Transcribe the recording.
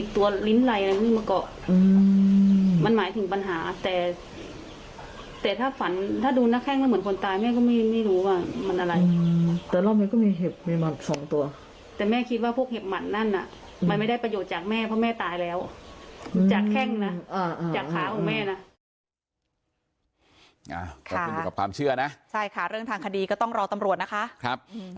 จากแค่งนะจากขาของแม่นะ